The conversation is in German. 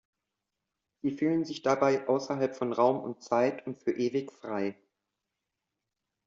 Sie fühlen sich dabei außerhalb von Raum und Zeit und für ewig frei.